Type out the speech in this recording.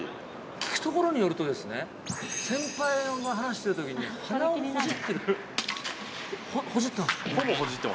聞くところによると、先輩と話しているときに鼻をほじってるって。